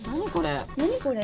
何これ。